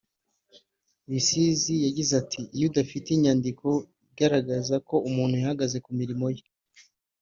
Bisizi yagize ati “Iyo udafite inyandiko igaragaza ko umuntu yahagaze ku mirimo ye